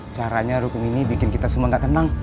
caranya rukun ini bikin kita semua gak tenang